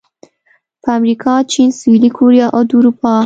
په امریکا، چین، سویلي کوریا او د اروپا